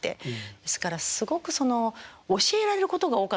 ですからすごくその教えられることが多かったんですよ